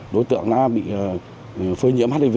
đối tượng đã bị phơi nhiễm hiv